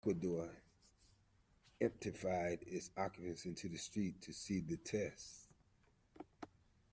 The Eldorado emptied its occupants into the street to see the test.